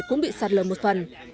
cũng bị sạt lở một phần